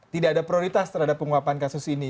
tidak ada prioritas terhadap pengungkapan kasus ini